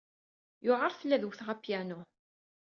Yewɛeṛ fell-i ad wteɣ apyanu.